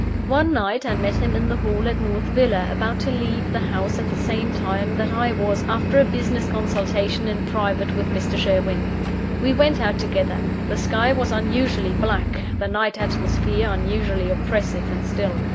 One night, I met him in the hall at North Villa, about to leave the house at the same time that I was, after a business consultation in private with Mr. Sherwin. We went out together. The sky was unusually black; the night atmosphere unusually oppressive and still.